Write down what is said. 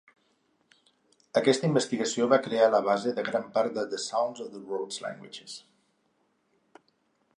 Aquesta investigació va crear la base de gran part de "The Sounds of the World's Languages".